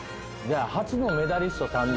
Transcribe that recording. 「初のメダリスト誕生」。